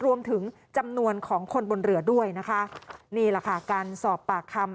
รวมถึงจำนวนของคนบนเรือด้วยนะคะนี่แหละค่ะการสอบปากคำ